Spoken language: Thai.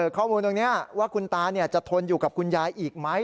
ข้อมูลตรงนี้ว่าคุณตาจะทนอยู่กับคุณยายอีกไหม